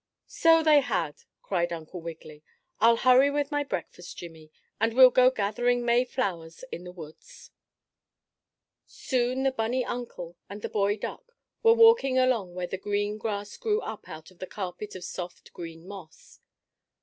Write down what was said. "So they had!" cried Uncle Wiggily. "I'll hurry with my breakfast, Jimmie, and we'll go gathering May flowers in the woods." Soon the bunny uncle and the boy duck were walking along where the green trees grew up out of the carpet of soft green moss.